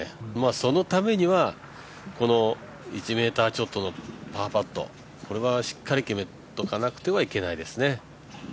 そのためには１ｍちょっとのパーパットはしっかり決めておかなくてはいけないですね。